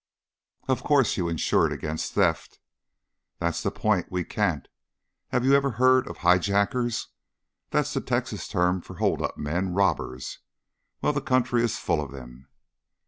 "Of course you insure it against theft?" "That's the point. We can't. Have you ever heard of 'high jackers'? That's the Texas term for hold up men, robbers. Well, the country is full of them."